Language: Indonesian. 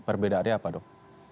perbedaannya apa dok